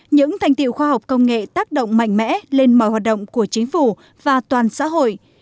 những thành tiệu khoa học công nghệ tác động mạnh mẽ lên mọi hoạt động của chính phủ và toàn xã hội